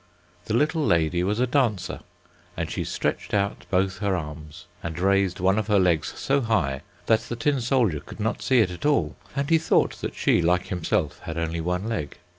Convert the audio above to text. The little lady was a dancer, and she stretched out both her arms, and raised one of her legs so high, that the tin soldier could not see it at all, and he thought that she, like himself, had only one leg.